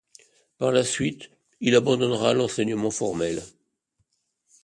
Par la suite, il abandonnera l'enseignement formel.